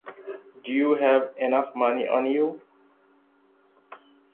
Do you have enough money on you?